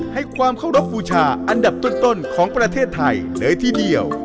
ให้ความเคารพบูชาอันดับต้นของประเทศไทยเลยทีเดียว